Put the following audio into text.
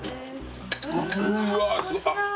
うわすご。